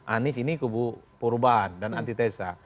anies ini kubu perubahan dan antitesa